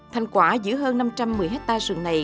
thành quả giữa hơn năm trăm một mươi hectare rừng này